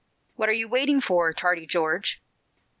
What are you waiting for, tardy George?